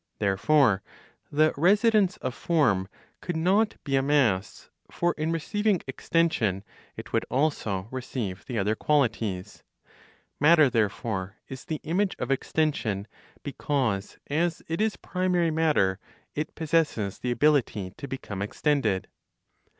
Therefore the residence of form could not be a mass; for in receiving extension, it would also receive the other qualities. Matter therefore, is the image of extension, because as it is primary matter, it possesses the ability to become extended.